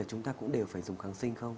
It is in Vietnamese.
chúng ta cũng đều phải dùng kháng sinh không